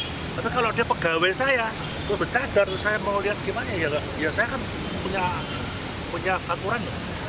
tapi kalau dia pegawai saya bercadar saya mau lihat gimana ya saya kan punya aturan